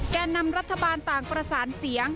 แก่นำรัฐบาลต่างประสานเสียง